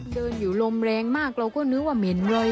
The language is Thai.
เดินอยู่ลมแรงมากเราก็นึกว่าเหม็นเลย